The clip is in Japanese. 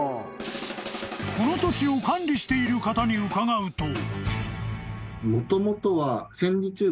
［この土地を管理している方に伺うと］